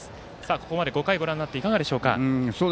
ここまで５回をご覧になっていかがでしょうか？